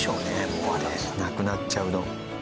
もうあれなくなっちゃうの。